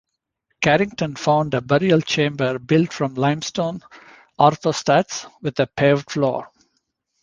Carrington found a burial chamber built from limestone orthostats with a paved floor.